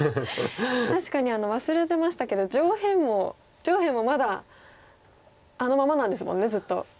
確かに忘れてましたけど上辺もまだあのままなんですもんねずっと。